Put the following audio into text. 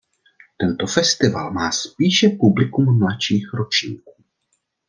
Tento festival má spíše publikum mladších ročníků.